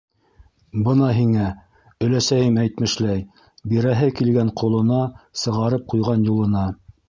- Бына һиңә, өләсәйем әйтмешләй, бирәһе килгән ҡолона - сығарып ҡуйған юлына!